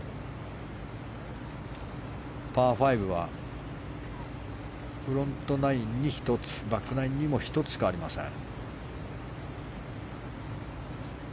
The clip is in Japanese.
パー５はフロントナインに１つバックナインにも１つしかありません。